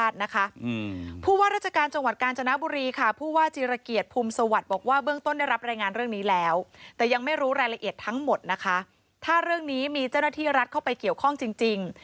ถ้าเรื่องนี้มีเจ้าหน้าที่รัฐเข้าไปเกี่ยวข้องจริง